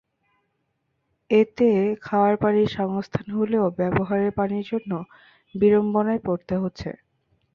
এতে খাওয়ার পানির সংস্থান হলেও ব্যবহারের পানির জন্য বিড়ম্বনায় পড়তে হচ্ছে।